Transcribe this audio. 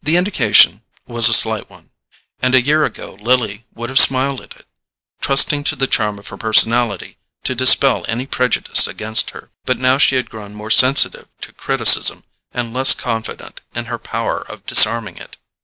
The indication was a slight one, and a year ago Lily would have smiled at it, trusting to the charm of her personality to dispel any prejudice against her. But now she had grown more sensitive to criticism and less confident in her power of disarming it.